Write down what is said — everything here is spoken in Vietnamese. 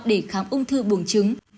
để khám ung thư bùng trứng